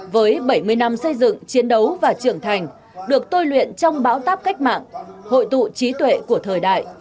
với bảy mươi năm xây dựng chiến đấu và trưởng thành được tôi luyện trong bão táp cách mạng hội tụ trí tuệ của thời đại